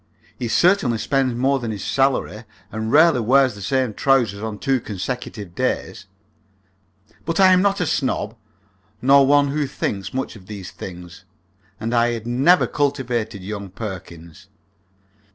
He certainly spends more than his salary, and rarely wears the same trousers on two consecutive days. But I am not a snob, nor one who thinks much of these things, and I had never cultivated young Perkins.